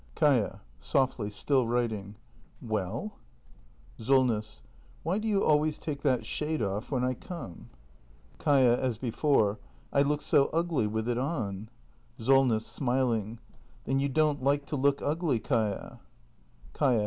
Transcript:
Kaia. [Softly, still writing.] Well ? Solness. Why do you always take that shade off when I come ? Kaia. [/Is before.] I look so ugly with it on. Solness. [Smiling.] Then you don't like to look ugly, Kaia? Kaia.